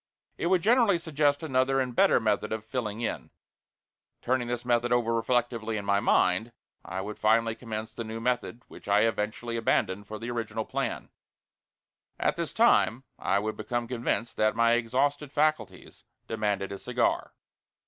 It would generally suggest another and better method of "filling in." Turning this method over reflectively in my mind, I would finally commence the new method which I eventually abandoned for the original plan. At this time I would become convinced that my exhausted faculties demanded a cigar.